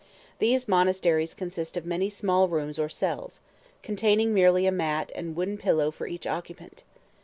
These monasteries consist of many small rooms or cells, containing merely a mat and wooden pillow for each occupant.